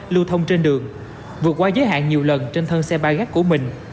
lưu thông trên đường vượt qua giới hạn nhiều lần trên thân xe ba gác của mình